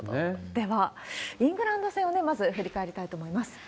では、イングランド戦をまず振り返りたいと思います。